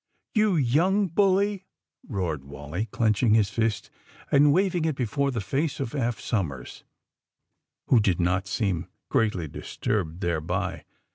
*^You young bully !'^ roared Wally, clenching his fist and waving it before the face of Eph Somers, who did not seem greatly disturbed thereby.